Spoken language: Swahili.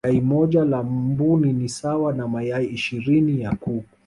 yai moja la mbuni ni sawa na mayai ishirini ya kuku